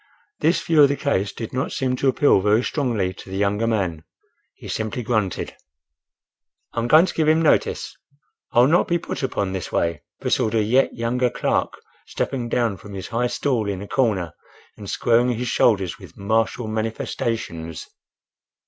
This view of the case did not seem to appeal very strongly to the young man; he simply grunted. "I'm going to give him notice. I'll not be put upon this way—" bristled a yet younger clerk, stepping down from his high stool in a corner and squaring his shoulders with martial manifestations.